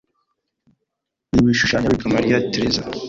w'ibishushanyo witwa Maria Theresa